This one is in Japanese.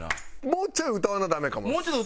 もうちょい歌わなダメかもです。